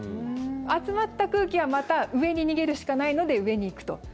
集まった空気はまた上に逃げるしかないので上に行くと。